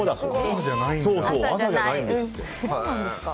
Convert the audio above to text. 朝じゃないんです。